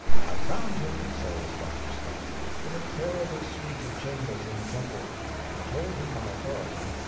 " I found him,'' says Dr. Scott, " in a miserable suite of chambers in the Temple. I told him my authority.